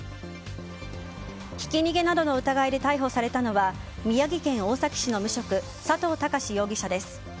ひき逃げなどの疑いで逮捕されたのは宮城県大崎市の無職佐藤貴志容疑者です。